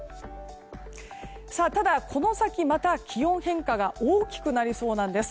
ただ、この先また気温変化が大きくなりそうなんです。